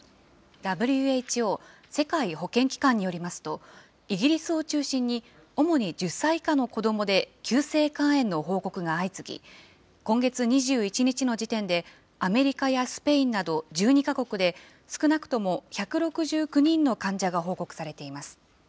ＷＨＯ・世界保健機関によりますと、イギリスを中心に、主に１０歳以下の子どもで急性肝炎の報告が相次ぎ、今月２１日の時点でアメリカやスペインなど１２か国で、少なくとも１６９人の患者が報告されています。